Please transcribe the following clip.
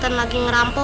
satu barang masanya